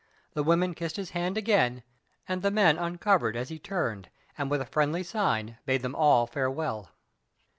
The women kissed his hand again, and the men uncovered as he turned, and, with a friendly sign, bade them all farewell.